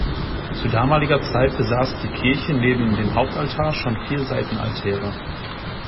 Zu damaliger Zeit besaß die Kirche neben dem Hauptaltar schon vier Seitenaltäre.